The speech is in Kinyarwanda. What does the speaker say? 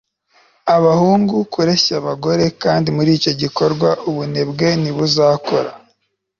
abahungu - kureshya abagore - kandi, muricyo gikorwa, ubunebwe ntibuzakora